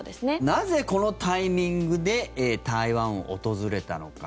なぜ、このタイミングで台湾を訪れたのか。